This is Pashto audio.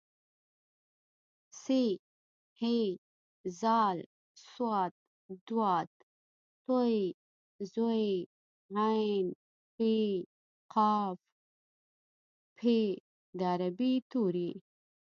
ث ح ذ ص ض ط ظ ع ف ق په د عربۍ توري